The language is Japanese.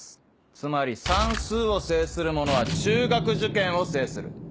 つまり算数を制する者は中学受験を制する。